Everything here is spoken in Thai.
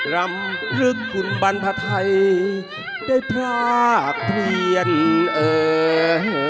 รำฤึกขุมบรรพไทยได้พรากเทียญเอ้ยเอ้ย